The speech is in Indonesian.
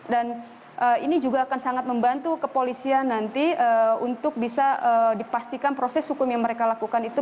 dan ini juga akan sangat membantu kepolisian nanti untuk bisa dipastikan proses hukum yang mereka lakukan itu